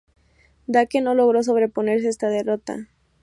Dake no logró sobreponerse a esta derrota.